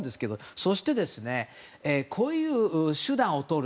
そして、こういう手段をとる